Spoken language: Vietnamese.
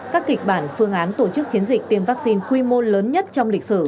các kịch bản phương án tổ chức chiến dịch tiêm vaccine quy mô lớn nhất trong lịch sử